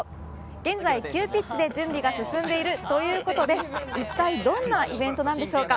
現在、急ピッチで準備が進んでいるということで一体どんなイベントなんでしょうか。